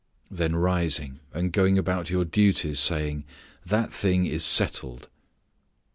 Then rising and going about your duties, saying, "that thing is settled."